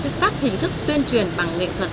các hình thức tuyên truyền bằng nghệ thuật